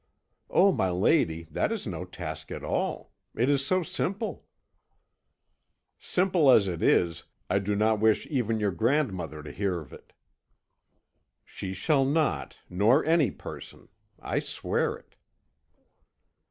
'" "Oh, my lady, that is no task at all. It is so simple." "Simple as it is, I do not wish even your grandmother to hear of it." "She shall not nor any person. I swear it."